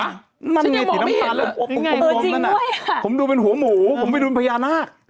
ฉันยังบอกไม่เห็นแล้วเอาจริงด้วยอะผมดูเป็นหัวหมูผมไม่ดูเป็นพญานาค